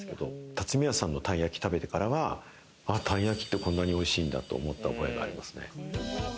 たつみやさんのたい焼き食べてからはたい焼きって、こんなにおいしいんだ！と思った覚えがありますね。